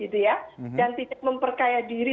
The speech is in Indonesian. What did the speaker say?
dan tidak memperkaya diri